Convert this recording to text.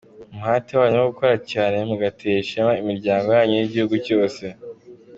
Umuhate wanyu wo gukora cyane mugatera ishema imiryango yanyu n’igihugu cyose.